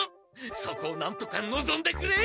そこをなんとかのぞんでくれ！